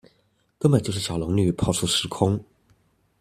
根本就是小龍女跑錯時空